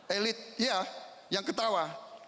elit ya yang ketawa